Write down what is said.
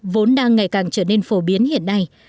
vốn đang ngày càng trở nên phổ biến hiện nay